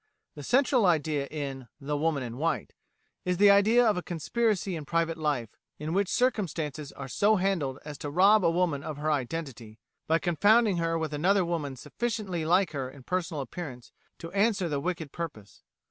The central idea in 'The Woman in White' is the idea of a conspiracy in private life, in which circumstances are so handled as to rob a woman of her identity, by confounding her with another woman sufficiently like her in personal appearance to answer the wicked purpose.